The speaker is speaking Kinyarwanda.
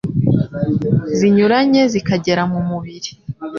zinyuranye zikagera mu mubiri. …